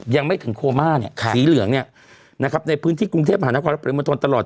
ยังไม่ถึงโคมาสีเหลืองในพื้นที่กรุงเทพฯมหานครและปริมทนตลอด